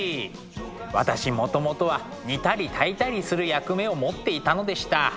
私もともとは煮たり炊いたりする役目を持っていたのでした。